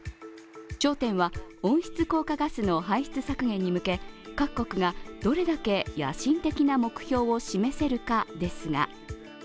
焦点は温室効果ガスの排出削減に向け、各国がどれだけ野心的な目標を示せるかですが。